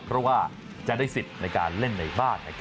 เพราะว่าจะได้สิทธิ์ในการเล่นในบ้าน